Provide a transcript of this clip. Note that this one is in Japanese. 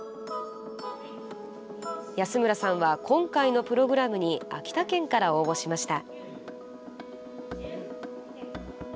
安村さんは、今回のプログラムに秋田県から応募しました。